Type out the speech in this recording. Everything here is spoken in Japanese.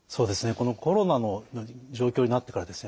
このコロナの状況になってからですね